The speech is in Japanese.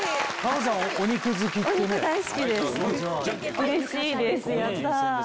うれしいです！